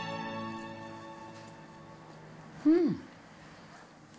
うん。